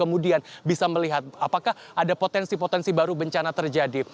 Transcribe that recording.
kemudian bisa melihat apakah ada potensi potensi baru bencana terjadi